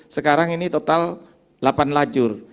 sekarang ini total delapan lajur